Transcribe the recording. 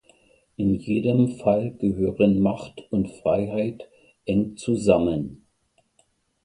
In jedem Fall gehören Macht und Freiheit eng zusammen.